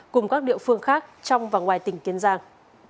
cùng các địa phương khác trong và ngoài tỉnh kiên giang